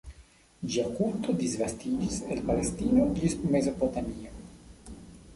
Ĝia kulto disvastiĝis el Palestino ĝis Mezopotamio.